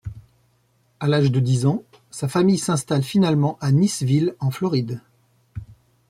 À l'âge de dix ans, sa famille s'installe finalement à Niceville en Floride.